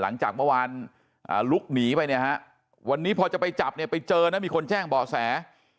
หลังจากเมื่อวานลุกหนีไปวันนี้พอจะไปจับไปเจอนะมีคนแจ้งเบาะแส